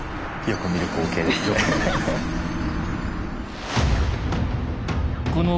よく見る光景ですね。